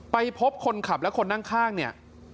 ไปพบคนขับและคนนั่งข้างเนี่ย